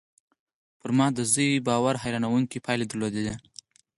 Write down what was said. پر ما د زوی باور حيرانوونکې پايلې درلودې